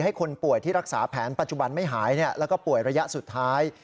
ให้คนป่วยที่รักษาแผนปัจจุบันไม่หายแล้วก็ป่วยระยะสุดท้าย